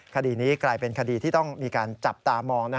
คดีนี้กลายเป็นคดีที่ต้องมีการจับตามอง